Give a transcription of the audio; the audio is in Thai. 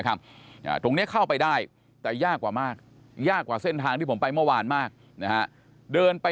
ตรงนี้เข้าไปได้แต่ยากกว่ามากยากกว่าเส้นทางที่ผมไปเมื่อวานมากนะฮะเดินไป